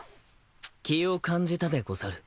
気を感じたでござる。